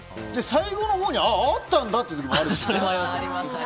最後のほうにあったんだっていう時もあるんだよね。